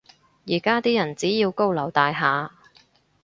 依家啲人只要高樓大廈